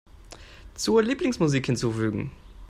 Zur Lieblingsmusik hinzufügen.